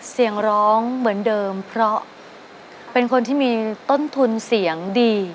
เสียงร้องเหมือนเดิมเพราะเป็นคนที่มีต้นทุนเสียงดี